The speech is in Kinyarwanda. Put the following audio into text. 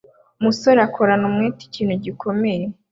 Umusore akorana umwete ikintu gikomeye